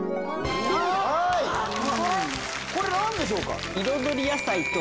これ何でしょうか？